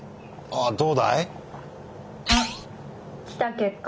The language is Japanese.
ああどうだい？